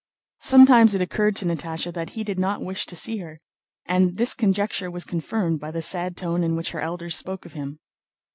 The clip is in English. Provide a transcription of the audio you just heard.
Sometimes it occurred to Natásha that he did not wish to see her, and this conjecture was confirmed by the sad tone in which her elders spoke of him.